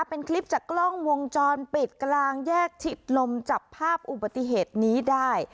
เป็นคลิปจากกล้องวงจรปิดกลางแยกชิดลมจับภาพอุบัติเหตุนี้ได้